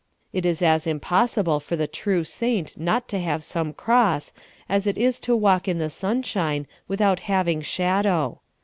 It is as impossible for the true saint not to have some cross as it is to walk in the sun shine without having shadow.